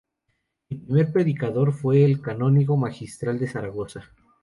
El primer predicador fue el Canónigo Magistral de Zaragoza.